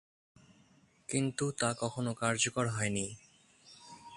কিন্তু, তা কখনো কার্যকর হয়নি।